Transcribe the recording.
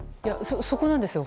そこなんですよ。